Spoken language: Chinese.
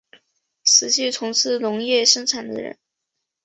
实际从事农业生产的人